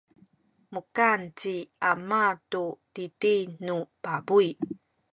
mukan ci ama tu titi nu pabuy.